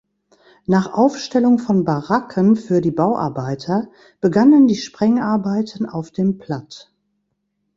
Nach Aufstellung von Baracken für die Bauarbeiter begannen die Sprengarbeiten auf dem Platt.